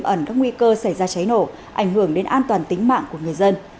ẩn các nguy cơ xảy ra cháy nổ ảnh hưởng đến an toàn tính mạng của người dân